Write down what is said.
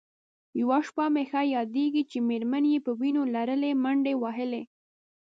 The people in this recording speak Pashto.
یوه شپه مې ښه یادېږي چې مېرمن یې په وینو لړلې منډې وهلې.